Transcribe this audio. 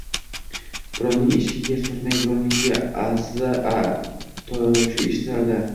Birovning eshigida surnay, birovnikida aza tovushi eshitilardi...